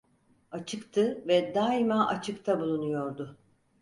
Açıktı ve daima açıkta bulunuyordu.